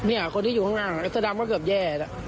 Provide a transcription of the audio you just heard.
เนี่ยคนที่อยู่ข้างเสื้อดำก็เกือบแย่ล่ะ